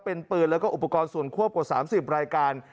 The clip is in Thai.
เป็นปืนแล้วก็อุปกรณ์ส่วนควบกว่า๓๐รายการ